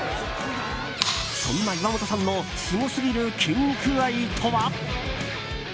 そんな岩本さんのすごすぎる筋肉愛とは？